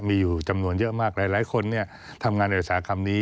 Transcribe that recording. มีอยู่จำนวนเยอะมากหลายคนทำงานในอุตสาหกรรมนี้